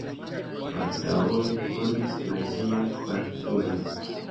Baldaŭe li fondis nazian partion.